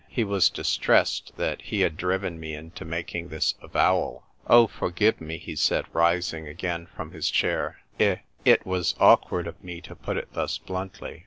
He was distressed that he had driven me into making this avowal. " Oh, forgive me," he said, rising again from his chair. " I — it was awkward of me to put it thus bluntly.